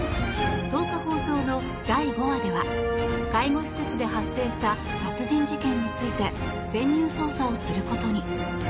１０日放送の第５話では介護士施設で発生した殺人事件について潜入捜査をすることに。